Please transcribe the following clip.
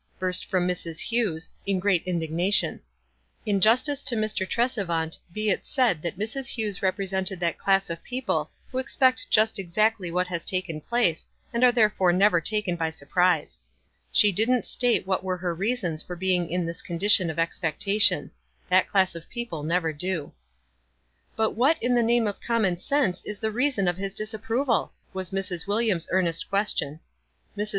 burst from Mrs. Hewes, in o r ea t indignation. In justice to Mr. Tresevant, be it said that Mrs. Hewes represented that class of people who expect just exactly what has taken place, and are therefore never taken by surprise. She didn't state what were her reasons for being in this condition of expectation. That class of people never do. ^"But what in the name of common sense is the reason of his disapproval?" was Mrs. Wil liams' earnest question. Mrs.